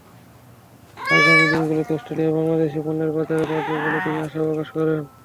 আগামী দিনগুলোতে অস্ট্রেলিয়ায় বাংলাদেশি পণ্যের বাজার বাড়বে বলে তিনি আশা প্রকাশ করেন।